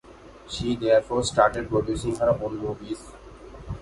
She, therefore, started producing her own movies.